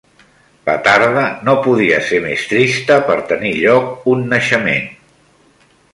La tarde no podia ser més trista per tenir lloc un naixement